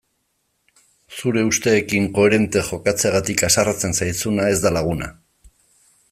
Zure usteekin koherente jokatzeagatik haserretzen zaizuna ez da laguna.